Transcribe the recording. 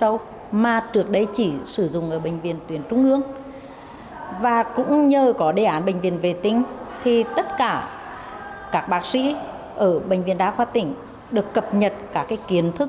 sau sáu năm tham gia đề án bệnh viện vệ tinh năng lực khám và điều trị tại bệnh viện đa khoa tỉnh hà tĩnh